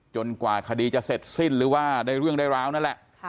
กว่าคดีจะเสร็จสิ้นหรือว่าได้เรื่องได้ราวนั่นแหละ